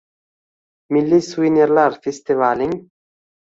“Milliy suvenirlar” festivaling